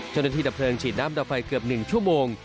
เจ้าหน้าที่ดับเพลิงฉีดน้ำดาวไฟเกือบ๑ชั่วโมง